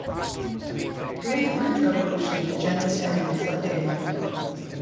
During the French Revolution, the Genlis family fled to England.